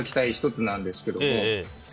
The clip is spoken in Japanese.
１つなんですけども。